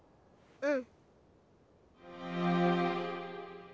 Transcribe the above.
うん。